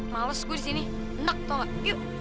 males gue di sini enak tau gak